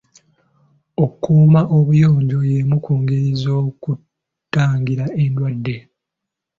Okuuma obuyonjo y'emu ku ngeri z'okutangira endwadde.